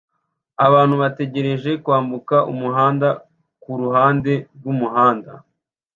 Abantu bategereje kwambuka umuhanda kuruhande rwumuhanda